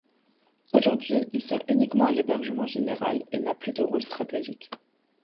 Aujourd'hui, il sert uniquement à l'hébergement général et n'a plus de rôle stratégique.